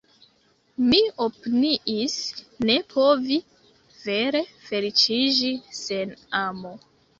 Mi opiniis ne povi vere feliĉiĝi sen amo.